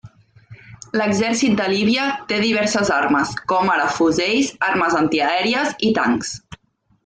L'Exèrcit de Líbia té diverses armes, com ara fusells, armes antiaèries i tancs.